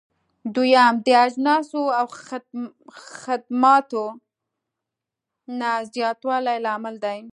دويم: د اجناسو او خدماتو نه زیاتوالی لامل دی.